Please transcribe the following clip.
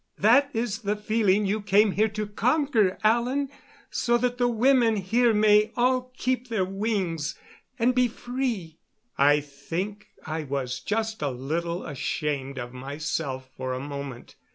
That is the feeling you came here to conquer, Alan so that the women here may all keep their wings and be free." I think I was just a little ashamed of myself for a moment.